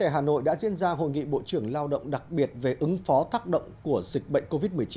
hà nội đã diễn ra hội nghị bộ trưởng lao động đặc biệt về ứng phó tác động của dịch bệnh covid một mươi chín